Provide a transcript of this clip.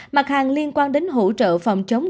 mặt hàng liên quan đến hỗ trợ phòng chống covid một mươi chín